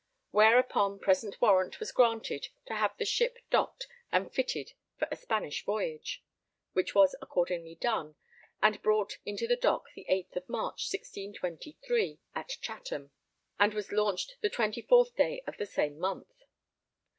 Whereupon present warrant was granted to have the ship docked and fitted for a Spanish voyage; which was accordingly done, and brought into the dock the 8th of March, 1623, at Chatham, and was launched the 24th day of the same month.